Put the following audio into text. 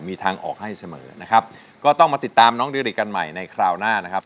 มีทางออกให้เสมอนะครับก็ต้องมาติดตามน้องดิริกันใหม่ในคราวหน้านะครับ